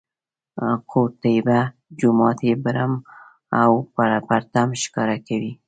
قورطیبه جومات یې برم او پرتم ښکاره کوي.